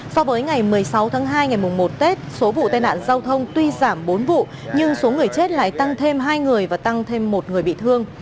so với ngày một mươi sáu tháng hai ngày một tết số vụ tai nạn giao thông tuy giảm bốn vụ nhưng số người chết lại tăng thêm hai người và tăng thêm một người bị thương